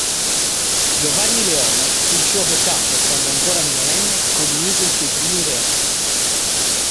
Giovanni Leone fu il suo avvocato quando ancora minorenne commise i suoi primi reati.